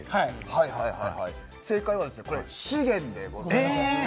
正解はこちら、資源でございます。